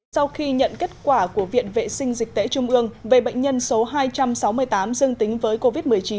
sau khi nhận kết quả của viện vệ sinh dịch tễ trung ương về bệnh nhân số hai trăm sáu mươi tám dương tính với covid một mươi chín